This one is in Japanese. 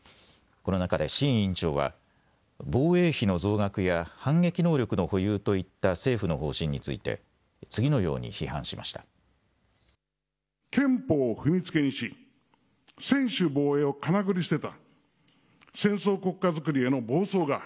この中で志位委員長は防衛費の増額や反撃能力の保有といった政府の方針について次のように批判しました。